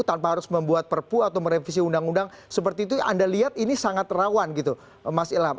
tanpa harus membuat perpu atau merevisi undang undang seperti itu anda lihat ini sangat rawan gitu mas ilham